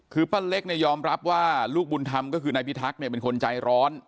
คือป้าเล็กเนี่ยยอมรับว่าลูกบุญธรรมก็คือนายพิทักษ์เนี่ยเป็นคนใจร้อน